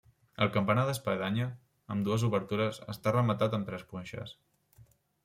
El campanar d'espadanya, amb dues obertures, està rematat amb tres punxes.